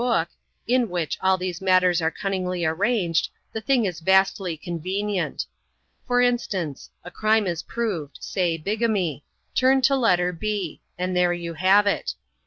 book, in which all these matters are cunningly arranged, the thing is vastly convenient. For instance : a crime is proved, — say? bigamy ; turn to letter B. — and there you have it.